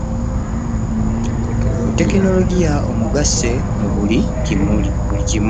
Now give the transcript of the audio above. Tekinologiya omugasse mu buli kimu?